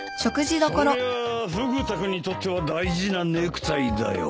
そりゃあフグ田君にとっては大事なネクタイだよ。